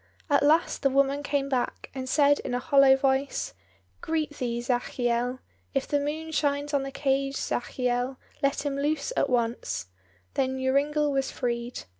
At last the woman came back, and said in a hollow voice, "Greet thee, Zachiel. If the moon shines on the cage, Zachiel, let him loose at once." Then Joringel was freed.